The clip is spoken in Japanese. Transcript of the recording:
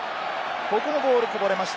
ここはボールがこぼれました。